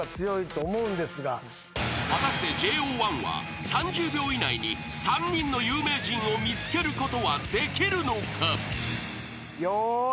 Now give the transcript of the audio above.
［果たしてＪＯ１は３０秒以内に３人の有名人を見つけることはできるのか？］用意。